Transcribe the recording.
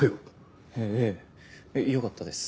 ええよかったです。